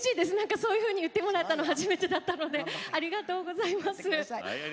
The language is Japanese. そう言っていただいたの初めてだったのでありがとうございます。